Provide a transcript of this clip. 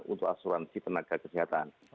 untuk asuransi tenaga kesehatan